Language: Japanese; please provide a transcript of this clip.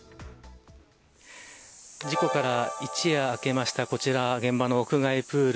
事故から一夜明けましたこちら現場の屋外プール。